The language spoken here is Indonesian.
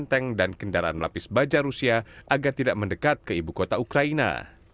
tank dan kendaraan lapis baja rusia agar tidak mendekat ke ibu kota ukraina